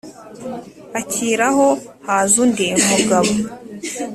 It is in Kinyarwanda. akiraho haza undi mugabo